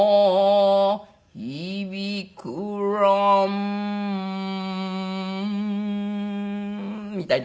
「響くらん」みたいな。